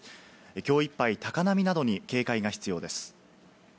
きょういっぱい高波などに警戒が必要です。